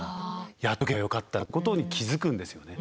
やっとけばよかったなってことに気付くんですよね。